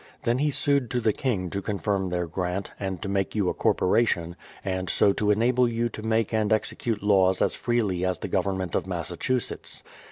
Then he sued to the king to confirm their grant, and to make you a corporation, and so to enable you to make and execute laws as freely as the government of Massachusetts.